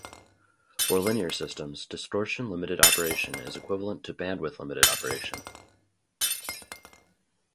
For linear systems, distortion-limited operation is equivalent to bandwidth-limited operation.